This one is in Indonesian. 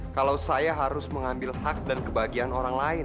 kalau saya harus mengambil hak dan kebahagiaan orang lain